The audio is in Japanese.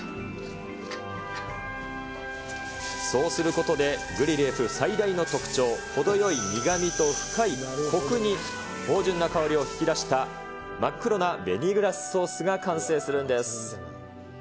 そうすることでグリルエフ最大の特徴、程よい苦みと深いこくに芳じゅんな香りを引き出した真っ黒なデミグラスソースが完成するんです。